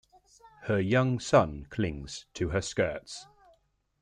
Her young son clings to her skirts.